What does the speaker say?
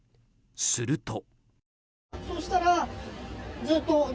すると。